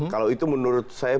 kalau itu menurut saya